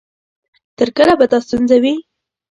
تر کله به دا ستونزه وي؟